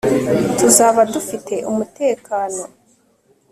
tuzaba dufite umutekano